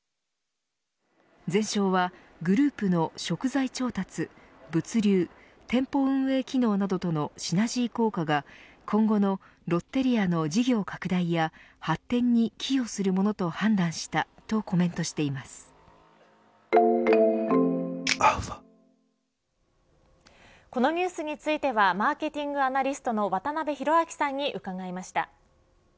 ゼンショーはグループの食材調達物流店舗運営機能などのシナジー効果が今後のロッテリアの事業拡大や発展に寄与するものと判断したこのニュースについてはマーケティングアナリストの渡辺広明さんに伺いました。